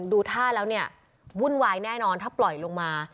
ดูท่าแล้วเนี่ยวุ่นวายแน่นอนถ้าปล่อยลงมา